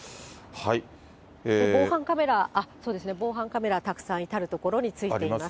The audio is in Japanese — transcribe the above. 防犯カメラ、そうですね、防犯カメラたくさん至る所についています。